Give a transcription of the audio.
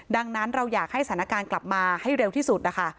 ดังนั้นเราอยากให้สถานการณ์กลับมาให้เร็วที่สุดนะคะ